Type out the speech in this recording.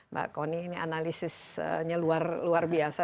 mbak koni ini analisisnya luar biasa